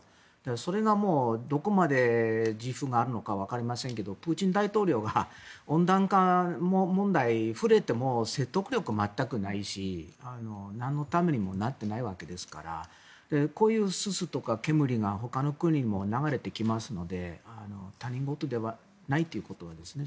それがもう、どこまで自負があるのかわかりませんがプーチン大統領は温暖化問題に触れても説得力が全くないしなんのためにもなってないわけですからこういう、すすとか煙がほかの国にも流れてきますので他人事ではないということですね。